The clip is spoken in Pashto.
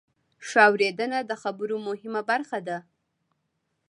ښه اورېدنه د خبرو مهمه برخه ده.